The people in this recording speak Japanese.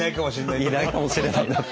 いないかもしれないなって。